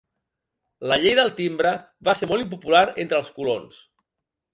La Llei del Timbre va ser molt impopular entre els colons.